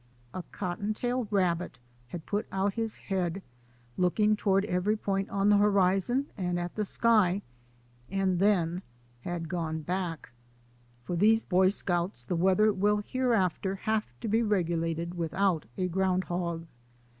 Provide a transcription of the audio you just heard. A cotton tail rabbit had put out CENSORED NATURAL HISTORY NEWS 223 his head, looked toward every point on the horizon and at the sky, and then had gone back! For these Boy Scouts the weather will hereafter have to be regulated without a ground hog.